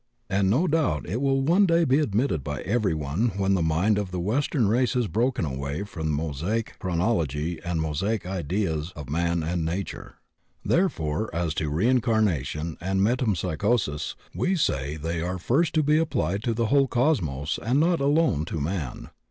And no doubt it will one day be admitted by everyone when the mind of the western race has broken away from Mosaic chro nology and Mosaic ideas of man and nature. There fore as to reincarnation and metempsychosis we say that they are first to be applied to the whole cosmos and not alone to man.